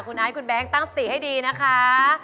คุณไอซ์คุณแบงค์ตั้งสติให้ดีนะคะ